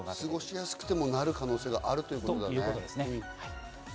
涼しくてもなる可能性があるということだね。